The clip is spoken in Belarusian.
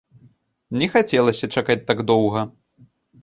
Не хацелася чакаць так доўга.